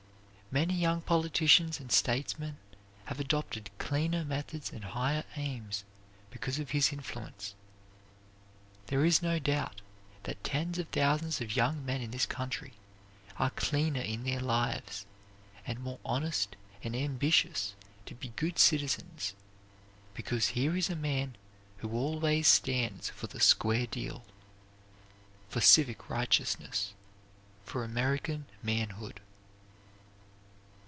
Many young politicians and statesmen have adopted cleaner methods and higher aims because of his influence. There is no doubt that tens of thousands of young men in this country are cleaner in their lives, and more honest and ambitious to be good citizens, because here is a man who always stands for the "square deal," for civic righteousness, for American manhood.